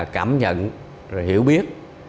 cảm nhận hiểu biết